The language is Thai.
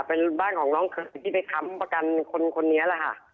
เป็นบ้านของน้องที่ไปค้ำประกันคนนี้แหละค่ะ